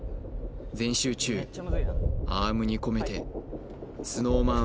全集中アームに込めてＳｎｏｗＭａｎ